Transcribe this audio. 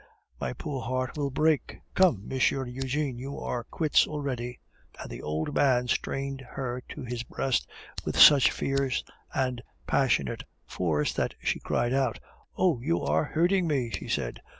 My poor heart will break! Come, Monsieur Eugene, we are quits already." And the old man strained her to his breast with such fierce and passionate force that she cried out. "Oh! you are hurting me!" she said.